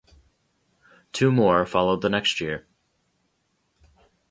Two more followed the next year.